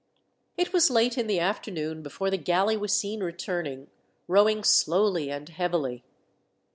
It was late in the afternoon before the galley was seen returning, rowing slowly and heavily.